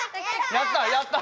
やった！